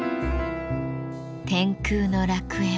天空の楽園。